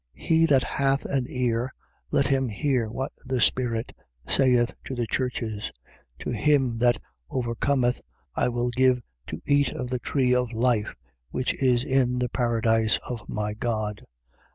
2:7. He that hath an ear let him hear what the Spirit saith to the churches: To him that overcometh I will give to eat of the tree of life which is in the paradise of my God.